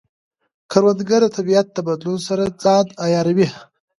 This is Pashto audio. کروندګر د طبیعت د بدلون سره ځان عیاروي